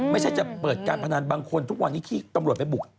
ไม่ใช่จะเปิดการพนันบางคนทุกวันนี้ที่ตำรวจไปบุก